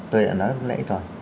tôi đã nói lẽ rồi